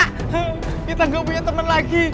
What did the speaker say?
kita gak punya temen lagi